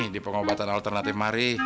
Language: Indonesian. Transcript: di pengobatan alternatif mari